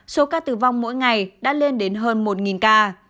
số ca tử vong mỗi ngày đã lên đến hơn một ca